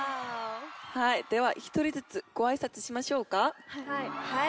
はいでは１人ずつご挨拶しましょうか。